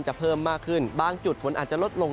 เพิ่มมากขึ้นบางจุดฝนอาจจะลดลง